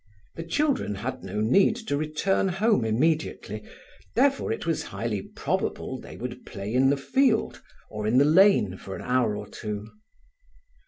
The children had no need to return home immediately, therefore it was highly probable they would play in the field or in the lane for an hour or two.